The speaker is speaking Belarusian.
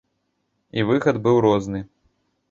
І выхад быў розны.